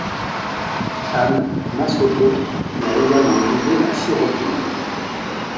Anne Massoteau l'a également doublée à six reprises.